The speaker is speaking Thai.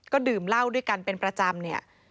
ก็ดื่มเหล้าด้วยกันเป็นประจำเนี่ย